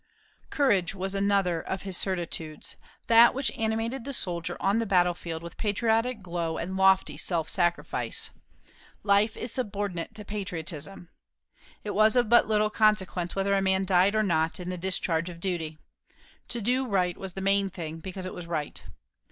Courage was another of his certitudes, that which animated the soldier on the battlefield with patriotic glow and lofty self sacrifice. Life is subordinate to patriotism. It was of but little consequence whether a man died or not, in the discharge of duty. To do right was the main thing, because it was right.